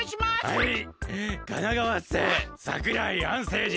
はい。